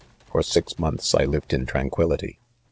' For six monthsl !ived in tranquillity.